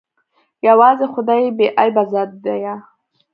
يوازې خداى بې عيبه ذات ديه.